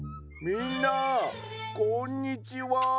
みんなこんにちは。